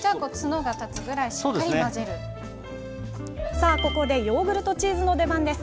さあここでヨーグルトチーズの出番です！